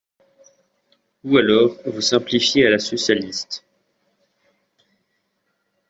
Ou alors, vous simplifiez à la socialiste.